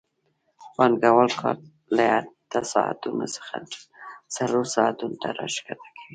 پانګوال کار له اته ساعتونو څخه څلور ساعتونو ته راښکته کوي